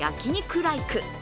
ライク。